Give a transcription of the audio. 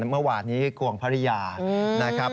เมื่อวานนี้กวงภรรยานะครับ